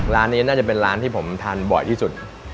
ร้านนี้น่าจะเป็นร้านที่ผมทานบ่อยที่สุด